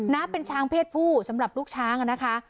นะเป็นช้างเพศผู้สำหรับลูกช้างนะคะ